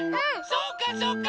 そうかそうか！